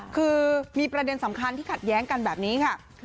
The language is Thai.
คือมีประเด็นสำคัญที่ขัดแย้งกันแบบนี้ค่ะ